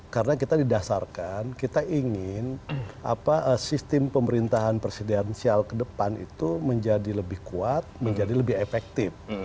karena kita didasarkan kita ingin sistem pemerintahan presidensial ke depan itu menjadi lebih kuat menjadi lebih efektif